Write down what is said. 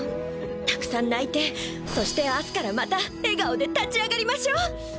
たくさん泣いてそして明日からまた笑顔で立ち上がりましょう！